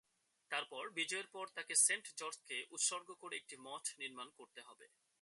তারপর, বিজয়ের পর, তাকে সেন্ট জর্জকে উৎসর্গ করে একটি মঠ নির্মাণ করতে হবে।